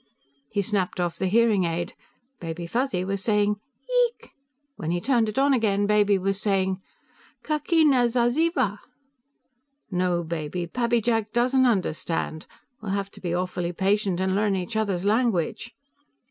He snapped off the hearing aid. Baby Fuzzy was saying, "Yeeek." When he turned it on again, Baby was saying, "Kukk ina za zeeva." "No, Baby, Pappy Jack doesn't understand. We'll have to be awfully patient, and learn each other's language."